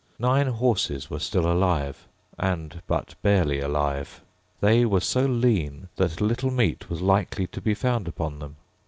Nine horses were still alive, and but barely alive. They were so lean that little meat was likely to be found upon them.